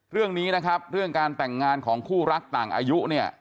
เรื่องนี้นะครับเรื่องการแต่งงานของคู่รักต่างอายุเนี่ย